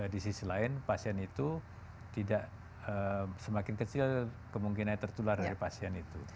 di sisi lain pasien itu tidak semakin kecil kemungkinan tertular dari pasien itu